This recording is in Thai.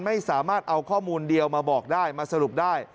ไม่สามารถเอาข้อมูลเดียวมาบอกได้มาสรุปได้